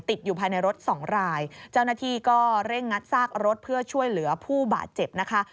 ติดอยู่ภายในรถสองรายเจ้าหน้าที่ก็เร่งงัดซากรถเพื่อช่วยเหลือผู้บาดเจ็บนะคะ